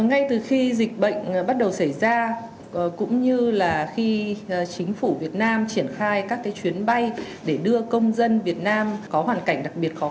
ngay từ khi dịch bệnh bắt đầu xảy ra cũng như là khi chính phủ việt nam triển khai các chuyến bay để đưa công dân việt nam có hoàn cảnh đặc biệt khó khăn